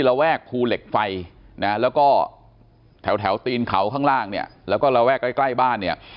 ระแวกครูเหล็กไฟแถวตีนเขาข้างล่างแล้วก็ระแวกใกล้บ้าน